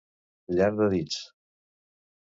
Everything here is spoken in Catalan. Llarg de dits.